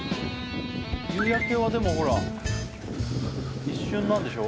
夕焼けはでもほら一瞬なんでしょ？